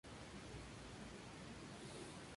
Lake No.